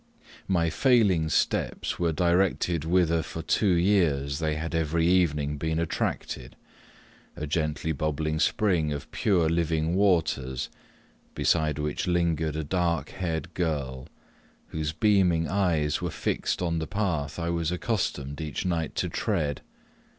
My failing steps were directed whither for two years they had every evening been attracted, a gently bubbling spring of pure living waters, beside which lingered a dark haired girl, whose beaming eyes were fixed on the path I was accustomed each night to tread.